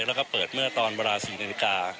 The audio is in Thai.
แล้วก็เปิดเมื่อตอนเวลา๔นาฬิกา